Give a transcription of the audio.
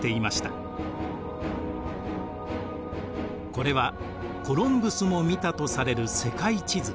これはコロンブスも見たとされる世界地図。